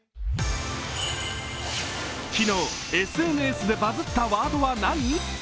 昨日、ＳＮＳでバズったワードは何？